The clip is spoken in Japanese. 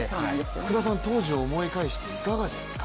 福田さん、当時を思い返していかがでしたか？